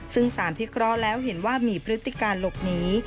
ซึ่งสารพิเคราะห์แล้วเห็นว่ามีพฤติการหลบหนี